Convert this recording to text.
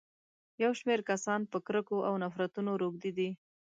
يو شمېر کسان په کرکو او نفرتونو روږدي دي.